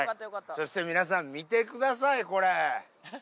そして皆さん、見てください、これ。